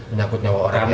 menyangkut nyawa orang ya